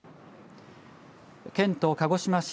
県と鹿児島市